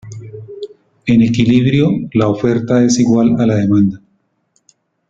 En equilibrio, la oferta es igual a la demanda.